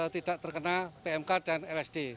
tidak terkena pmk dan lsd